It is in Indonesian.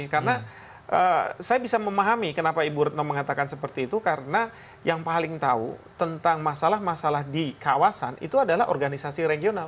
karena saya bisa memahami kenapa ibu retno mengatakan seperti itu karena yang paling tahu tentang masalah masalah di kawasan itu adalah organisasi regional